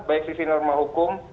baik sisi norma hukum